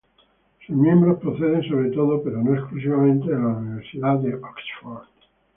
Sus miembros proceden sobre todo, pero no exclusivamente, de la Universidad de Oxford.